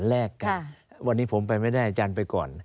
แลกกันวันนี้ผมไปไม่ได้อาจารย์ไปก่อน